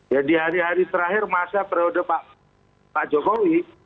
ya di hari hari terakhir masa periode pak jokowi